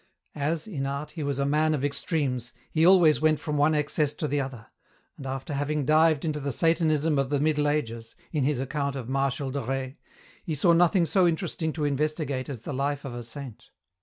As, in art, he was a man of extremes, he always went from one excess to the other, and after having dived into the Satanism of the Middle Ages, in his account of " Marshal de Rais," he saw nothing so interesting to investigate as the life of a saint.